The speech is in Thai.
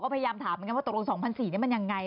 ก็พยายามถามกันว่าตรง๒๐๐๔นี้มันยังไง